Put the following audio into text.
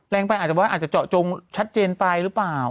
แรงไปอาจจะว่าอาจจะเจาะจงชัดเจนไปหรือเปล่า